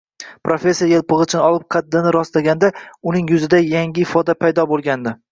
Professor elpig`ichni olib, qaddini rostlaganda, uning yuzida yangi ifoda paydo bo`lgandi